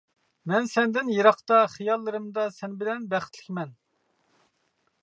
مەن سەندىن يىراقتا خىياللىرىمدا سەن بىلەن بەختلىكمەن.